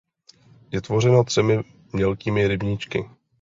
Je tvořeno třemi mělkými rybníčky.